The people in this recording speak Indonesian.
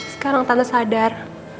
sekarang tante sadar